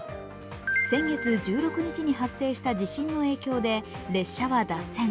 先月１６日に発生した地震の影響で列車は脱線。